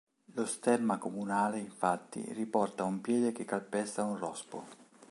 Lo stemma comunale infatti riporta un piede che calpesta un rospo.